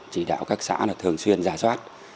chỉ đạo các xã thường xuyên giả soát